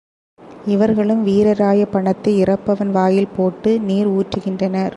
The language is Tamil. இவர்களும் வீரராயப் பணத்தை இறப்பவன் வாயில் போட்டு நீர் ஊற்றுகின்றனர்.